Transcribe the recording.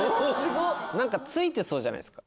ついてそうじゃないっすか？